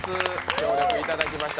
協力いただきました。